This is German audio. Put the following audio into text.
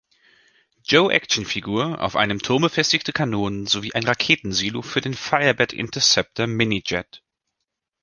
Joe Actionfigur, auf einem Turm befestigte Kanonen sowie ein Raketensilo für den Firebat Interceptor Mini-Jet.